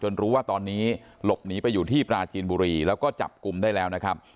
รู้ว่าตอนนี้หลบหนีไปอยู่ที่ปราจีนบุรีแล้วก็จับกลุ่มได้แล้วนะครับ